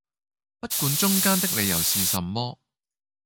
不管中間的理由是什麼！